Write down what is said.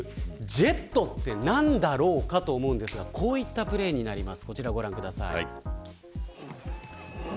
ジェットって何だろうと思うと思うんですがこういったプレーです。